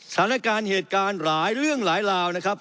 เหตุการณ์เหตุการณ์หลายเรื่องหลายราวนะครับ